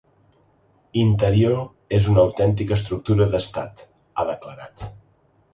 “Interior és una autèntica estructura d’estat”, ha declarat.